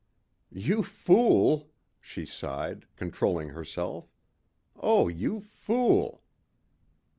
"You fool," she sighed, controlling herself. "Oh you fool."